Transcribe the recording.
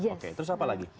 oke terus apa lagi